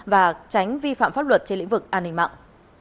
và tránh vi phạm pháp luật trên lĩnh vực an ninh mạng